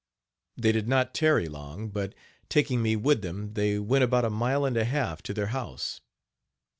They did not tarry long, but, taking me with them, they went, about a mile and a half, to their house.